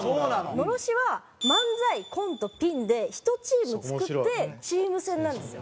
ＮＯＲＯＳＨＩは漫才コントピンで１チーム作ってチーム戦なんですよ。